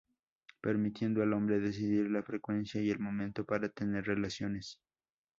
Permitiendo al hombre decidir la frecuencia y el momento para tener relaciones.